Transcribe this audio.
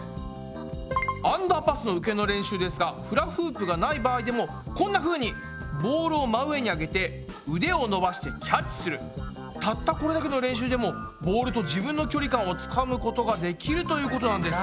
アンダーパスの受けの練習ですがフラフープがない場合でもこんなふうにたったこれだけの練習でもボールと自分の距離感をつかむことができるということなんです。